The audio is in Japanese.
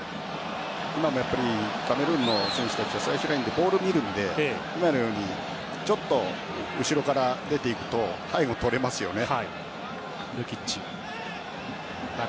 今も、カメルーンの選手たちは最終ラインでボールを見るので今のようにちょっと後ろから出ていくと背後をとれますよね。